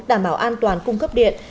đảm bảo an toàn cung cấp điện